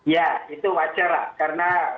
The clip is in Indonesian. ya itu wajar lah karena